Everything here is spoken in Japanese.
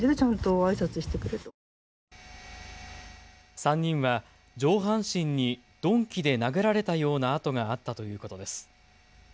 ３人は上半身に鈍器で殴られたような痕があったということです。